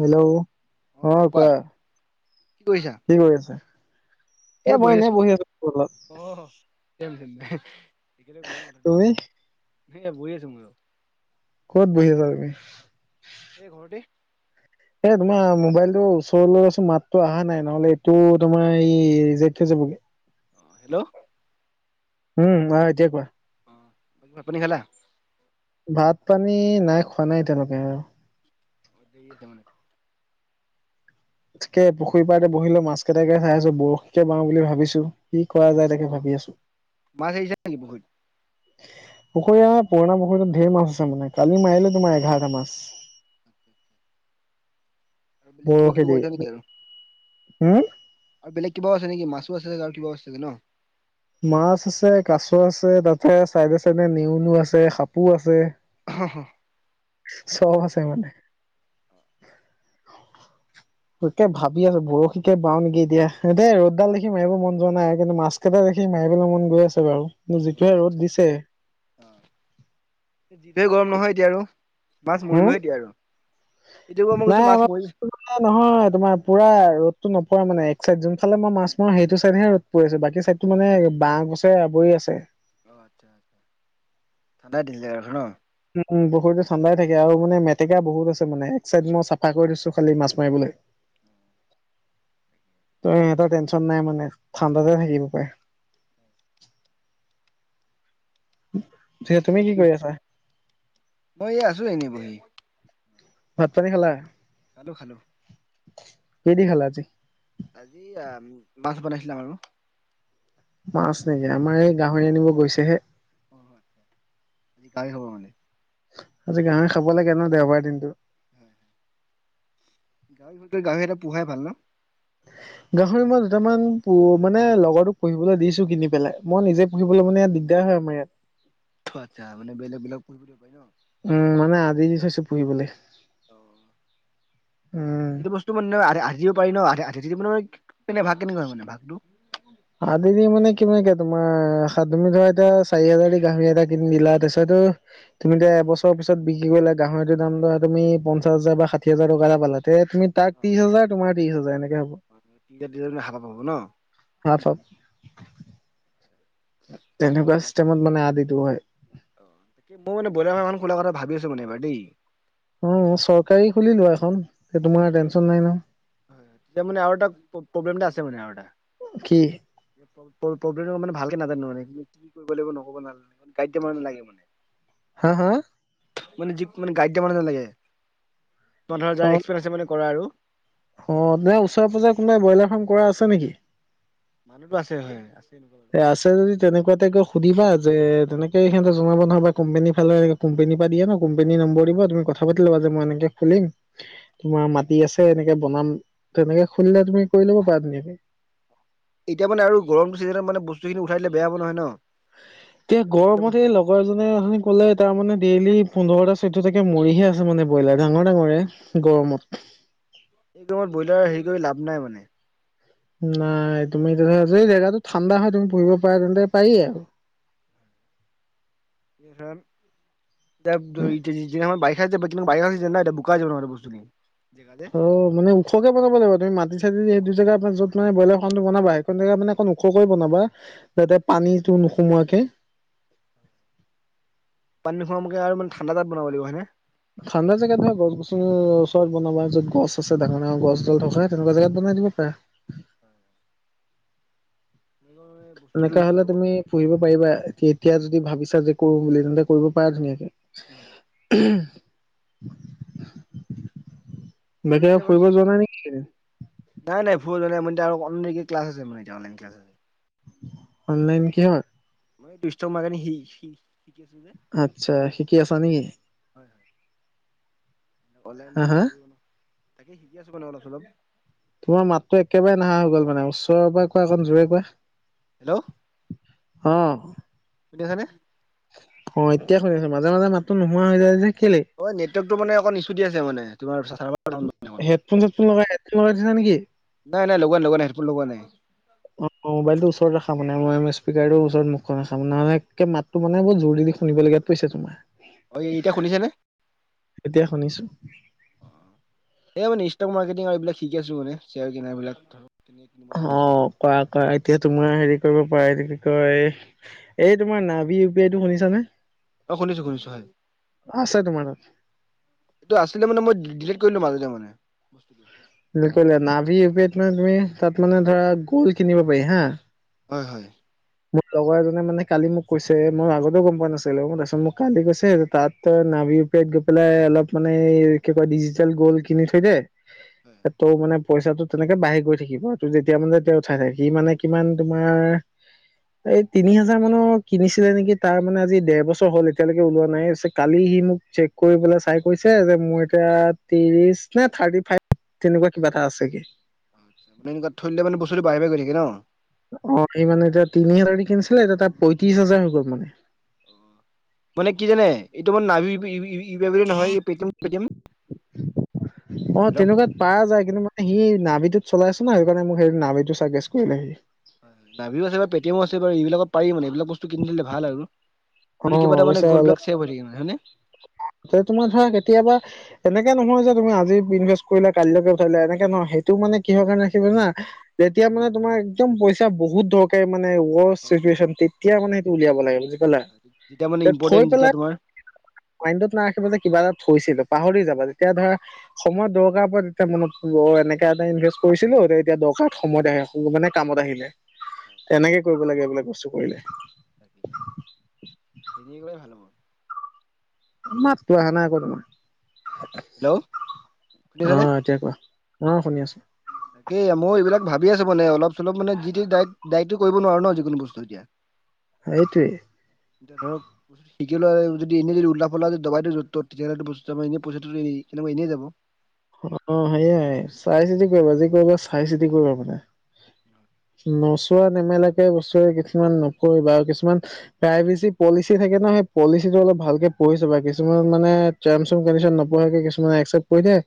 Hello অ কোৱা কি কৰি আছে এ মই এনেই বহি আছো ঘৰত এক গৈছিল মথাটো তুমি এ বহি আছো মইয়ো ক'ত বহি আছা তুমি এই ঘৰতে এই তোমাৰ মোবাইলটোৰ ওচৰলৈ আ চোন মাততো অহা নাই নহলে এইটো তোমাৰ এই ৰেজেক্ট হৈ যাবগে হেল্ল' উম অ এতিয়া কোৱা অ ভাত পানী খালা ভাত পানী নাই খোৱা নাই এতিয়ালকে আৰু দি আছে মানে তাকে পুখুৰী পাৰতে বহিলো মাছ কেইটাকে চাই আছো বৰশীকে বাও বুলি ভাবিছো কি কৰা অ যায় তাকে অ ভাবি আছো মাছ আহিছে নেকি পুখুৰীত পুখুৰী অ পুৰণা পুখুৰীত ঢেৰ মাছ আছে মানে কালি মাৰিলে তোমাৰ এঘাৰটা মাছ আৰু বেলেগ কিবা বৰশী কিবি দি কৰিছা নেকি আৰু হম আৰু বেলেগ কিবা আছে নেকি মাছো আছে আৰু কিবা আছে চাগে ন মাছ আছে কাছ আছে তাতে চাইডে চাইডে নেউলো আছে সাপো আছে হ হু চব আছে মানে অ তাকে ভাবি আছো বৰশীকে বাও নেকি এতিয়া দে ৰ'দডাল দেখি মাৰিব মন যোৱা নাই সেইকাৰণে মাছ কেইটা দেখি মাৰিবলৈ মন গৈ আছে বাৰু যিটোহে ৰ'দ আচ্ছা দিছে আ যিটোে গৰম নহয় এতিয়া আৰু মাছ, হম মৰিবহে দিয়য়া আৰু এতিয়া ক মই নাই কৈছো মাছ, আমাৰ মৰিছো নহয় তোমাৰ পুৰা ৰদতটো নপৰা মানে এক চাইড যোন ফালে মই মাছ, মাৰো সেইটো চাইদহে ৰ'দ, পৰি আছো বাকী চ ছাইডতটো মানে বাঁহ, গছে আৱৰি আছে। অঁ আচ্ছা আচ্ছা ঠাণ্ডা দিলিল ৰাখ ন উম বহুতো ঠাণ্ডাই থাকে আৰু মান মেতেকা, বহুত আছে মানে এক চাইড মই চাফা কৰি দিছো খালি মাছ, মাৰিবলৈ। ত এটা টেনচন নাই মানে ঠাণ্ডাতে থাকিব পাৰে। পিছে তুমি আৰু কি ক কৰি আছা মই আছো এনেই বহি ভাত, পানী, খালা? খালো খালো। কিহেদি খালা আজি। আজি আ মাছ, বনাইছিলে আমাৰ ঘৰত। মাছ নেকি আমাৰ এই গাহৰি আনিব গৈছেহে। অ আজি কাই হব মাল। আজি গাঁহৰি, খাব লাগে ন দেওবাৰ দিনটো। হয়, গাহৰি এটা পোহাই ভাল ন। গাহৰি, মই দুটামান প মানে লগৰটোক পঢ়িবলৈ দিছো কিনি পেলাই মই নিজে। পুহিবলৈ মানে ইয়াত দিগদাৰ হয় আমাৰ ইয়াত। আত‌ছা মানে বেলেগ বলেগাক ভ পায় ন উম মানে আযি দি থৈছো পুহিবলে অ উম। এইটো বস্তু মানে হা দিব পাৰি ন আ দিব ন ভাগ কেনেকুৱা হয় মানে ভাগটো। আদিদি মানে কিমান কে তোমাৰ তুমি ধৰা এতিয়া চাৰি হাজাৰ গাহৰি, এটা কিনি দিলা তাৰিছতো। তুমি অ এতিয়া বছৰ পিছত বিক্ৰী কৰিলে গাহৰিৰ, দাম ধৰা তুমি পঞ্চাছ হাজাৰ বা ষাঠি হাজাৰ টকা এটাালা তেয়া তুমি তাক অ ত্ৰশ হাজাৰ তোমাৰ্ৰিশ হাজাৰ এনেকে হব। দুইটা ভালাপ হব ন। তাৰ চব। তেনেকুৱা চিষ্টেমত মানে আদিতো হয়। অ তাক মই মানে ব্ৰইাৰ, এখন খোল কথা ভাবি আছো মানে এইবাৰ দেই। অ চৰকাৰী খুলিলো এখন তোমাৰ টেনচন নাই ন। এতিয়া মানে আৰু এটা প্ৰব্লেমটা আছে মানে আৰু এটা। কি? ব্লেম মানে ভালে নাজানো মানে কি কৰিব লাগিব নকব নালানে মোগে মানে। হা হা মানে য মানে গাইড দিয়া মানে নালাগে অ ধৰা এক্সপ্ৰেছ মানে কৰা আৰু অ তে ওচৰে পাজজৰে কোনোবাই বইলাৰ ফাৰ্ম কৰা আছে নেকি? মানুহতো আছে হয় আছে এনেকুৱা। বাৰু। এ আছে যদি তেনেকুৱাতে তাইক সুধিবা যে তেনেকে সিহঁতে জনাব নহয়বাম্পনী ফালে। কোম্পানী পৰা দিয় ন কোম্পনী নম্বৰ দিব তুমি ক পাতি'বা যে মই এনেকে খুলিম। তোমাৰ মাটি আছে। এনেকে বনাম তেনেকে খুলিলে তুমি কৰি লব পাৰা ধুনীয়াকে এতিয়া মানে গৰমটো ছিজনত মান বস্তুিনি উঠাইে বেয়া হ নহয় ন। এতিয়া মৰি যাব। গৰমতে লগ কুজনে ক'লে তাৰ মানে ডেইল পোন্ধৰটা চৈধ্যটা মৰিহে আছে মানে ব্ৰইলাৰ, ডাঙৰ -ডাঙৰে গৰমত এই কমত ব্ৰইলাৰ, হেৰি কৰি লাভ নাই মানে। নাই তুমি এতিয়া ধৰা যে জেগাটো ঠাণ্ডা হয়, তুমি পুহিব পাৰা তেন্তে পাৰিয়ে আও। [unintelligible] [unintelligible] বোকা হৈ যাব নহলে বস্তু অ, মানে ওখকে বনাব লাগিব। তুমি মাটি ছাতি সেই দু জেগা পা যত মানে বইলাৰ ফাৰ্মটো বনাবা? সেইখনে মানে অকন ওখ্কৈ বনাবা। যাতে পানীটো নোসোমোৱাকে। পানী [unintelligible] আ [unintelligible] ঠাণ্ডা জেগাত বনাব লাগিব। হয়নে? ঠাণ্ডা জেগাত ধৰ, গছ গছনি ওচৰত বনাবা। য'ত গছ আছে ডাঙৰ ডাঙ গছডাল থকা। তেনেকুৱা জেগাত বনাই দিব পাৰে। বস্তুটো এনেকা হলে তুমি পঢ়িব পাৰিবা। এতিয়া যদি ভাবিছা যে কৰো বুলি তেন্তে কৰিব পাৰা ধুনীয়াকে। হয়। বেকে ফুৰিব যোৱা নাই নেকি? এইকেইদিন নাই নাই ভুল হোৱা নাই। মই এতিয়া আৰু কম নেকি, ক্লাছ আছে মানে এতিয়া অনলাইন ক্লাছ আছে। অনলাইন কিহৰ? [unintelligible] সি সি আতছা, শিকি আছা নেকি? হয় হয়। অনলাইন হা হা [unintelligible] তাকে শিকি আছো মানে অলপ চলপ। তোমাৰ মাতটো একেবাৰে নাহা হৈ গ'ল মানে ওচৰৰ পৰা কোৱা, অকণ জোৰে কোৱা। হেল্ল'। অ। শুনি আছেনে? অ, এতিয়া শুনি ছো। মাজে মাজে মাততো নোহোৱা হৈ যায় যে কেলে? অ নেটৱৰ্কটো মানে অকণ ইছু দি আছে মানে। তোমাৰ চা হেডফোন চেডফোন লগাই হেডফোন লগাই থৈছা নেকি? নাই নাই লগোৱা লগোৱা নাই, হেডফোন লগোৱা নাই। অ মোবাইলটো ওচৰত ৰাখা মানে। মই এ স্পীকাৰ ওচৰত মুখখন ৰাখা মানে, নহলে একে মাত টো মানে ব জোৰ দি দি শুনিব লগীয়াত পৰিছে তোমাৰ। অ, এতিয়া শুনিছে নে? এতিয়া শুনিছো। এ মানে ষ্টক মাৰ্কেটিংৰ এই বিলাক শিকি আছো মানে, চেয়াৰ কিনাৰবিলাক ধ অ, কৰা কৰা এতিয়া তোমাৰ হেৰি কৰিব পাৰা, এইটো কি কয়? এই তোমাৰ নাভি ইউ পি আই টো শুনিছানে? অ, শুনিছো শুনিছো, হয়। আছে তোমাৰ তাত। টো আছিলে মানে মই ডিলিট কৰি দিলোঁ মাজতে মানে বস্তুটো। [unintelligible] নাভি ইউ পি আইত নো তুমি তুমি তাত মানে ধৰা গোল কিনিব পাৰি হা। হয় হয়। মোৰ লগৰ এজনে মানে কালি মোক কৈছে। মই আগতেও গম পোৱা নাছিলো। তাছত মোক কালি কৈছে আৰু তাত। তই নাভি ইউপিআইত গৈ পেলাই অলপ মানে কি কয় ডিজিটেল গ'ল্ কিনি থৈ দে। হয় এ তও মানে পইচাটো তেনেকে বাঢ়ি গৈ থাকিব। ত' যেতিয়া মানে তেওঁ থাকে। সি মানে কিমান তোমাৰ এই তিনি হাজাৰ মানৰ কিনিছিলে নেকি? তাৰ মানে আজি দেৰ বছৰ হ'ল এতিয়ালৈকে ওলোৱা নাই [unintelligible] কালি সি মোক চেক কৰিবলৈ চাই কৈছে যে, মোৰ এতিয়া ত্ৰিশ নে থাৰ্টি ফাই তেনেকুৱা কিবা এটা আছেগে। বেংকত থৈ দিলে মানে বস্তুটো বাঢ়ি বাঢ়ি গৈ থাকে ন? অ সি মানে এতিয়া তিনি হাজাৰ দি কিনিছিলে এতিয়া তাৰ পয়ত্ৰশ হাজাৰ হৈ গ'ল মানে মানে কি জানে এইটো মানে নাভি ইউবিবি ডাব্লিউ ডাব্লিউ নহই পেতিএম পেতিএম হেল্লৌ পা যায় কিন্তু মানে সি নাভভিটোত চলাইছছে ন সেইকাৰণে মোক সেই নভভিটো সুগেষ্ট কৰিলে সি নাবীও আছে পেটিএমো আছে বা এইবিলাক পাৰি মান এইবিলাক বস্তু কিনিলে ভাল আৰু অ মানে কিবাটা মানে গ'ল বিলাক ছেভ হৈ থাকে হয় নে ত তোমাৰ ধৰা কেতিয়াবা তেনেকে নহয় যে তুমি আজি ইনভেষ্ট কৰিলা কাইলৈকে ঘোৰাই দিলাএনেকে নহয় সেইটো মানে কিহৰ কাৰণে হয় ৰাখিব জানা যেতিয়া মানে তোমাৰ একদম পইচা বহুত দৰকাৰ তে মানে উৱচ হয় চিটোৱেচন তেতিয়া মানে সেইটো উলিয়াব লাগে বুজি পালা হয় হয় যেতিয়া মানে ইম্পৰ্টেণ্ট থৈ যেতিয়া পেলাই তোমাৰ মাইণ্টত নাৰাখিব যে কিবা এটা থৈছিলো পাহৰি যাবা তেতিয়া ধৰা সময়ত দৰকাৰ পৰে তেতিয়া মনত পৰিব অ এনেকে এটা ইনভেষ্ট কৰিছিলো ত এতিয়া দৰকাৰত সময়ত আহে মানে কামত আহিলে হয় তেনেকে কৰিব লাগে বোলে বস্তু কৰিলে এনেকৈয়েই ভাল হব মাতটো অহা নাই আকৌ তোমাৰ, হেল্ল' অ শুনিছানে এতিয়া কোৱা অ শুনি আছো তাকেই মই এইিলাক ভাবিএ আছো মানে অলপ চলপ মানে যি দি দায়েকতো কৰিব নোৱাৰো ন যিকোনো বস্তু এতিয়া হেইটোৱেই হেল্লৌপ সিটো ল'ৰাই যদি এনেই যদি উলতা পোলতা যদি দাবাই দিয়ে যত তত তেয়াহ'লে বস্তুটো পইচাটো এ এনেই যাব অ সেয়াই চাই চিতি কৰিবা যি কৰিবা চাই চিতি কৰিবা মানে নচোৱা নেমেলাকে বস্তুবোৰ কিছুমান নকৰিবা আৰু কিছুমান প্ৰাইভেচি পলিচি থাকে নহয় পলিচিটো অলপ ভালকে পঢ়িছাবা কিছুমানত মানে জাইমচম কনদিচন নপঢ়াকে কিছুমানে একচ্চেপ্ত কৰি দিয়ে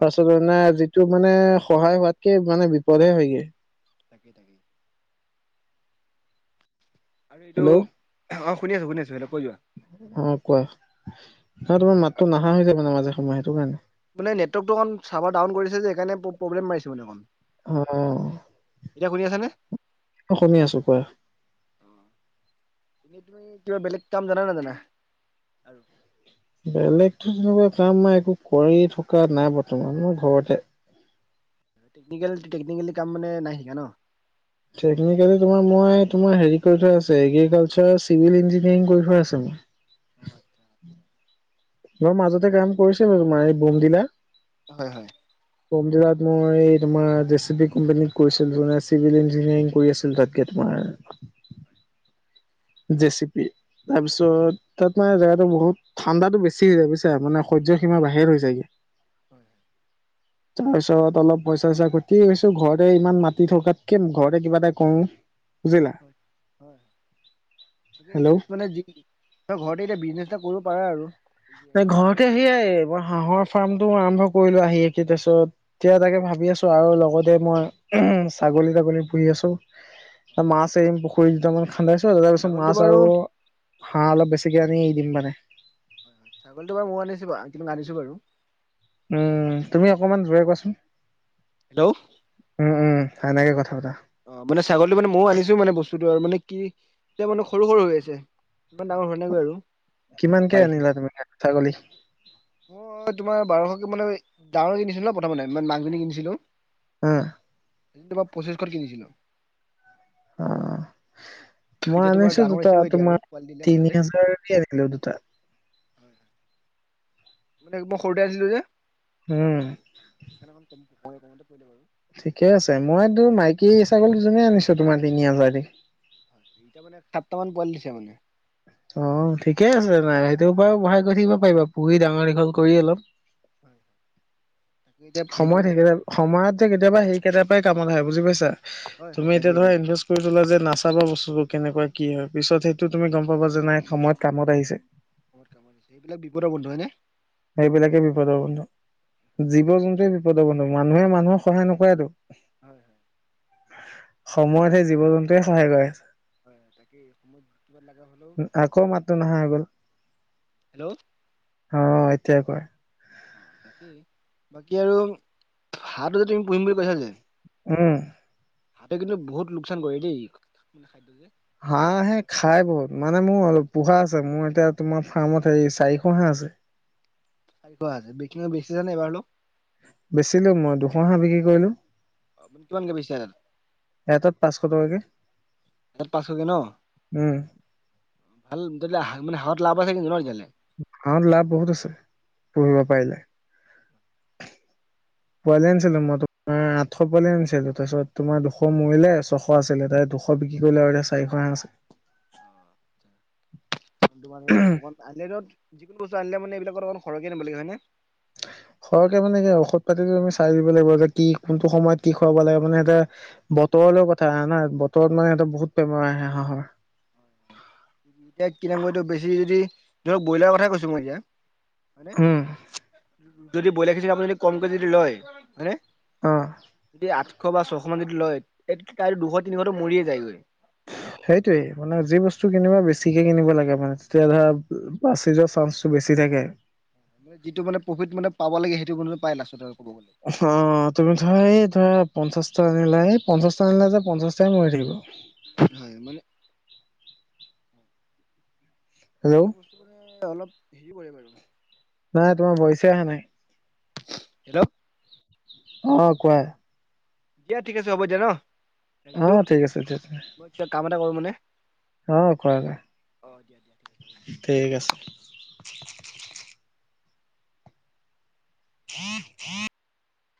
পাছত মানে যিটো মানে সহায় হোৱাতকে মানে বিপদহে হয়গে তাকেই তাকেই আৰু এইটো হেল্ল' অ শুনি আছো শুনি আছো সেইটো কৈ যোৱা উম কোৱা নহয় তোমাৰ মাতো নাহা হৈ যাই মাজে সময়ে সেইটো কাৰণে মানে নেতৱৰ্কটো অকণ চাবাৰ ডাউন কৰিছে যে সেইকাৰণে প্ৰবলেম মাৰিছে মানে অকণ এতিয়া শুনি আছ নে অ শুনি আছো কোৱা এ তুৱেই কিবা বেলেগ কাম জানে নে নাজানে বেলেগ তেনেকুৱা কাম মই একো কৰি থকা নাই বৰ্তমান মই ঘৰতে লিগেল টেকনিকেলি কাম মানে নাই শিকা ন টেকনিকেলি তোমাৰ মই তোমাৰ হেৰি কৰি থোৱা আছে এগ্ৰীকালচাৰ চিভিল ইঞ্জিনিয়াৰিং কৰি থোৱা আছে মোৰ অ আচ্ছা আচ্ছা মই মাজতে কাম কৰিছো বাৰো মাই বোম দিলা। হয়। হয়। [inaudible] বোম দিলাট মই তোমাৰ জেচি বি কোম্পাননীত কৰিছিলো চিভিল ইঞ্জিনিয়াৰিং কৰি আছিলো তাত কে তোমাৰ জেচিপি তাৰপিছত তাত মানে জেগা বহুত ঠাণ্ডাটো বেছি বুইছা মানে সয্য সীমা বাহিৰ হৈ যায়গে হয়। হয়। [inaudible] তাৰ পিছত অলপ পইচা চইচা ঘতি কৈছো ঘৰতে ইমান মাতি থকাতকে ঘৰতে কিবা এটা কউ জিলা। হয় হয়। হেল্ল' মানে ঘৰতে এতিয়া বিজনেচ এটা কৰিব পাৰে আৰু [unintelligible] এই ঘৰতে সেইয়াই মই হাঁহৰ ফাৰ্মটো আৰম্ভ কৰিলো আহি একে তাৰছত এতিয়া তাকে ভাবি আছো আৰু লগতে মই ছাগলী তাগলী পুহি আছো। তা মাছ এৰিম পুখ কুৰি দুটামান খান্দাইছো তাৰ পিছত ছাগলীটো মাছ বাৰু আৰু হাঁহ অলপ বেছিকে আনি দিম মানে ছাগলী বাৰ মই [unintelligible] [unintelligible] আনিছো বাৰু উম তুমি অকমান জোৰে কোৱাচোন হেল্ল', উম উম সনেকে কথা পাতা অ', মানে ছাগলীটো মানে মইও আনিছো মানে বস্তুটো আৰু মানে কি এয়া মানে সৰু সৰু হৈ আছে। ইমান ডাঙৰ হোৱানাগৈ আৰু অলপ কিমানকে বাঢ়িছে আনিলা তুমি চা ছাগলী মই তোমাৰ বাৰশকে মানে ডাঙৰ কিনিছিলো ন প্ৰথমতে মা মাগ জনি কিনিছিলো। আ তোমাক পচিছশত কিনিছিলো। অ', মই এতিয়া তোমাৰ আনিছো ডাঙৰ হৈছে দুটা গৈ এতিয়া আৰু তোমাৰ পোৱালি দিলে তিনি মাজতে হাজাৰকে আনিলো দুটাত মানে মই সৰুতে আনিলো যে উম', সেইকাৰণে অণ ক কতে পৰিলে বাৰু [unintelligible] ঠিকে আছে মইতো মাইকী ছাগলী দুজনী আনিছো তোমাৰ তিনি হাজাৰ দি এতিয়া মানে সাতটা মান পোৱালি দিছে মানে অ', ঠিকে আছে নাই, সেইটোৰ পৰাও বঢ়াই গৈ থাকিব পাৰিবা পুহি ডাঙৰ দীঘল কৰি অলপ হয়। সময়ত সেইবিলাক সময়ত যে কেতিয়াবা সেইকেইটাৰ পৰাই কামত আহে বুজি পাইছা হয় হয় তুমি এতিয়া তাকেই ধৰা তাকে ইনভেছ টুন তোলা যে নাচাবা বস্তুবোৰ কেনেকুৱা কি হয় পিছত সেইটো তুমি গম পাবা যে নাই সময়ত কামত আহিছে। বহুত কামত আহিছে এইবিলাক বিপদৰ বন্ধু হয় নে সেইবিলাকে বিপদৰ বন্ধু জীৱ জন্তুৱে বিপদৰ বন্ধু মানুহে মানুহক সহায় নকৰেতো হয় হয়। তাকে সময়ত এইবিলাক সেই জীৱ জন্তুয়ে সহায় কয় হয়, তাকে সময় কিমান লগা হলেও আকৌ কি মাতটো কয় নহা হৈ গ'ল হেল্ল', অ এতিয়া কোৱা অ বাকী আৰু হাঁহটো যে তুমি পুহিম বুলি কৈছা যে উম হাহটোৱে কিন্তু বহুত লোকচান কৰে দেই মানে খাদ্য যে হাঁহ হে খাই বহুত মানে মোৰ অল পোহা আছে মোৰ এতিয়া তোমাৰ ফাৰ্মত হে চাৰিশ হাঁহ আছে [inaudible] চাৰিশ আছে বিকিনে বিকিছানে এবাৰ হলো বেছিলো মই দুশ হাঁহ বিক্ৰী কৰিলোঁ অ কিমানকে বেছিছা এটা এটাত পাঁচশ টকাকে এটাত পাচশকে ন উম ভাল তেতিয়া মানে হাহত লাভ আছে কিন্তু ন তেতিয়াহ'লে হাঁহত লাভ বহুত আছে পুহিব পাৰিলে পোৱালি আনিছিলোঁ মই তোমাৰ আঠশ পোৱালি আনিছিলোঁ তাৰপিছত তোমাৰ দুশ মৰিলে ছশ শ আছিলে তাৰে দুশ বিক্ৰী কৰিলোঁ আৰু এতিয়া চাৰিশ হাঁহ আছে। তোমাৰ ধৰা অকণ আনৰেটত যিকোনো বস্তু আনিলে মানে এইবিলাকত অকণ সৰহকে আনিব লাগে হয় নে? সৰহকে মানে কি ঔষধ পাতিটো তুমি চাই দিব লাগিব যে কি কোনটো সময়ত কি খুৱাব লাগে মানে এতিয়া বতৰলৈও কথা ন' বতৰত মানে ইহঁতৰ বহু বেমাৰ আহে হাঁহৰ। ইয়াৰ কি নাম কয় এইটো বেছি যদি ধৰক ব্ৰইলাৰ কথাই কৈছা মই ইয়াত। হয়নে উম যদি ব্ৰইলাৰ কেজি আপুনি যদি কমকে যদি লয় হয়নে অ'। [unintelligible] আঠশ বা ছয়শ মান যদি লয় তে তাৰ দুশ তিনিশ মানতো মৰিয়ে যায়গৈ। সেইটোয়েই মানে যি বস্তু কিনিবা বেছিকে কিনিব লাগে মানে তেতিয়া হয় ধৰা বাচি যোৱাৰ চাঞ্চটো বেছি থাকে। যিটো মানে প্ৰফিট মানে পাব লাগে সেইটো মানে পাই লাষ্টতে ক'ব গলে। অ' তুমি ধৰা এই ধৰা পঞ্চাশটা আনিলে এই পঞ্চাশটা আনিলে যে পঞ্চাশটাই মৰি থাকিব। হয় মানে হেল্ল' এইবিলাক বস্তু মানে অলপ হেৰি কৰে বাৰু। নাই তোমাৰ ভইচে আহা নাই। [unintelligible] অ' কোৱা? দিয়া ঠিক আছে হ'ব দিয়া ন' ৰাখিছোঁ। অ', ঠিক আছে ঠিক আছে মই এতিয়া কাম এটা কৰোঁ মানে। অ' কৰাগে, অ দিয়া দিয়া ঠিক আছে হ'ব দিয়া। ঠিক আছে। [inaudible]